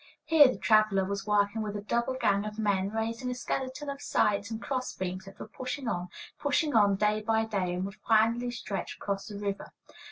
Here the "traveler" was working with a double gang of men, raising a skeleton of sides and cross beams that were pushing on, pushing on day by day, and would finally stretch across the river.